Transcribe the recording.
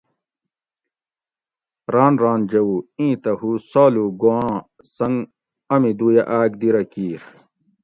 ران ران جھوؤ ایں تہ ہو سالو گوآں سنگ امی دویہ اکدی رہ کیر